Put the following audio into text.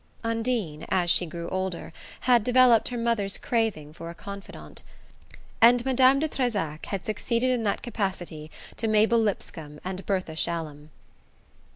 Undine, as she grew older, had developed her mother's craving for a confidante, and Madame de Trezac had succeeded in that capacity to Mabel Lipscomb and Bertha Shallum.